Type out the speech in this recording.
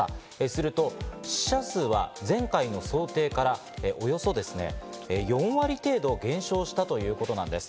すると死者数が前回の想定からおよそ４割程度減少したということなんです。